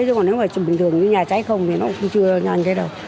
chứ còn nếu mà bình thường cái nhà cháy không thì nó cũng chưa nhanh thế đâu